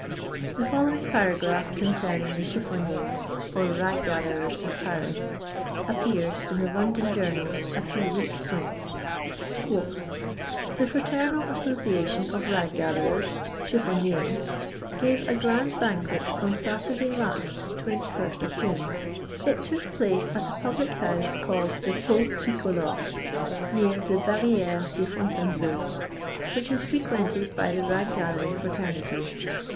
The following paragraph concerning the chiflfb niers or rag gatherers of Paris appeared in the London journals a few weeks since :—The fraternal association of rag gBtheren (chiffoniers) gave a grand banquet on Saturday last (21st of June). It took pUce at a public house called the Pot Tricolore, near the BarrOrt de FoniainhleaUf which is frequented by the rag gathering fraternity.